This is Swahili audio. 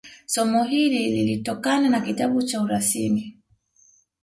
Somo hili lilitokana na kitabu cha urasimi